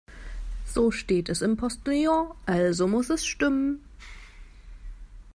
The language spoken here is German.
So steht es im Postillon, also muss es stimmen.